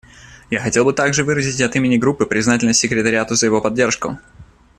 Я хотел бы также выразить от имени Группы признательность Секретариату за его поддержку.